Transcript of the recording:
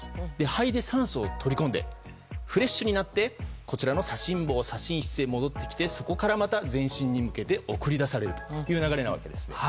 肺で酸素を取り込んでフレッシュになってこちらの左心房、左心室へ戻ってきてそこから全身に向けて送り出されるという流れなわけです。